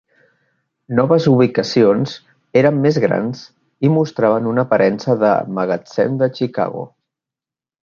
Noves ubicacions eren més grans i mostraven una aparença de "magatzem de Chicago".